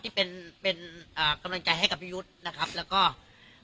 ที่เป็นเป็นอ่ากำลังใจให้กับพี่ยุทธ์นะครับแล้วก็